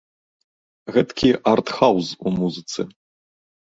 Гэткі арт-хаўз у музыцы.